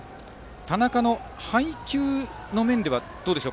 田中の配球の面ではどうでしょう